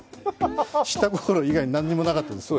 下心以外、何もなかったです。